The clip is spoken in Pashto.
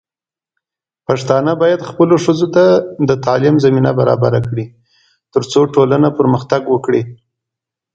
پښتانه بايد خپلو ښځو ته د تعليم زمينه برابره کړي، ترڅو ټولنه پرمختګ وکړي.